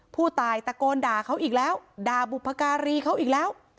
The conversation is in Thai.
ผู้ตายตะโกนด่าเขาอีกแล้วด่าบุพการีเขาอีกแล้ว